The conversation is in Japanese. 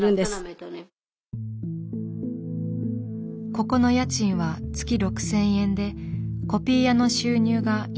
ここの家賃は月６，０００円でコピー屋の収入が１万４，０００円ほど。